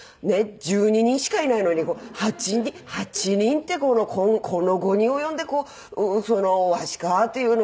１２人しかいないのに８人ってこの期に及んでそのわしか？っていうのが。